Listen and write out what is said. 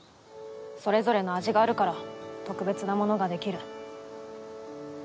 それぞれの味があるから特別なものができる。